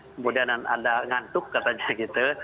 kemudian ada ngantuk katanya gitu